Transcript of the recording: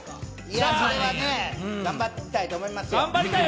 それはね、頑張りたいと思いますよ。